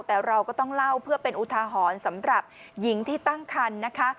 แต่เราก็ต้องเล่าเพื่อเป็นอุทาหรณ์สำหรับหญิงที่ตั้งคันนะคะ